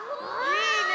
いいね！